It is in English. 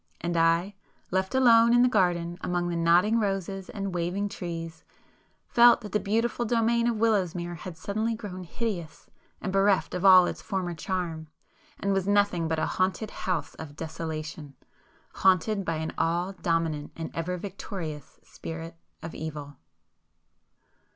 And I, left alone in the garden among the nodding roses and waving trees, felt that the beautiful domain of Willowsmere had suddenly grown hideous and bereft of all its former charm, and was nothing but a haunted house of desolation,—haunted by an all dominant and ever victorious Spirit of Evil.